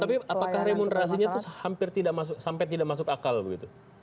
tapi apakah remunerasinya itu hampir sampai tidak masuk akal begitu